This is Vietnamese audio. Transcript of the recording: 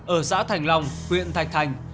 ở xã thành long huyện thạch thành